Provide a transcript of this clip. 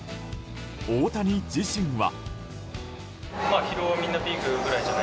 大谷自身は。